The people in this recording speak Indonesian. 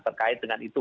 terkait dengan itu